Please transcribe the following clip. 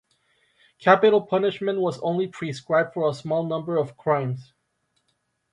Capital punishment was only prescribed for a small number of crimes.